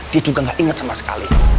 dia juga gak ingat sama sekali